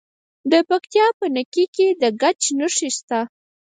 د پکتیکا په نکې کې د ګچ نښې شته.